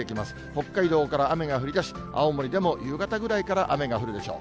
北海道から雨が降りだし、青森でも夕方ぐらいから雨が降るでしょう。